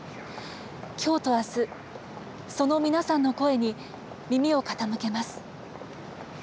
きょうとあす、その皆さんの声に耳を傾けます。